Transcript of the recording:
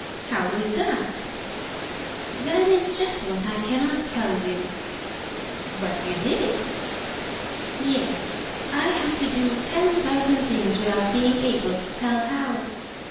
"How was that?" "That is just what I cannot tell you." "But you did it." "Yes. I have to do ten thousand things without being able to tell how."